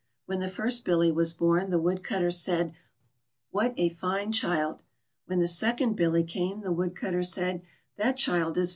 When the first Billy was born, the Woodcutter said :" What a fine child." When the second Billy came, the Woodcutter said :" That child is BATTV.